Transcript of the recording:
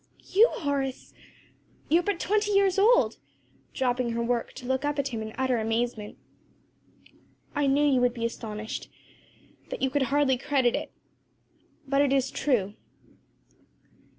"You, Horace? you are but twenty years old!" dropping her work to look up at him in utter amazement. "I knew you would be astonished that you could hardly credit it but it is true."